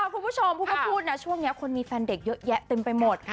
คุณผู้ชมพูดก็พูดนะช่วงนี้คนมีแฟนเด็กเยอะแยะเต็มไปหมด